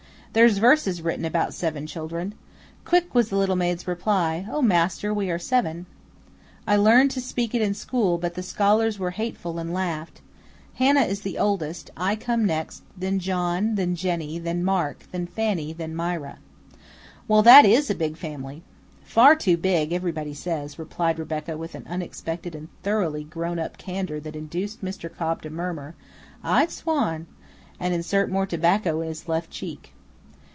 There's verses written about seven children: "'Quick was the little Maid's reply, O master! we are seven!' I learned it to speak in school, but the scholars were hateful and laughed. Hannah is the oldest, I come next, then John, then Jenny, then Mark, then Fanny, then Mira." "Well, that IS a big family!" "Far too big, everybody says," replied Rebecca with an unexpected and thoroughly grown up candor that induced Mr. Cobb to murmur, "I swan!" and insert more tobacco in his left cheek.